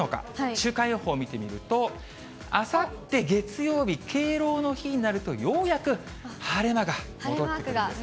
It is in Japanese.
週間予報見てみると、あさって月曜日、敬老の日になると、ようやく晴れ間が戻ってきます。